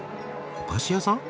お菓子屋さん？